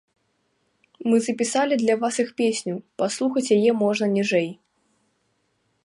Мы запісалі для вас іх песню, паслухаць яе можна ніжэй.